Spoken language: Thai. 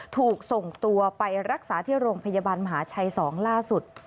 ถูกส่งตัวไปรักษาที่โรงพยาบาลมหาชัย๒ล่าสุด